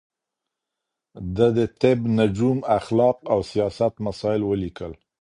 ده د طب، نجوم، اخلاق او سياست مسايل وليکل